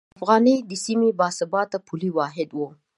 افغانۍ د سیمې باثباته پولي واحد و.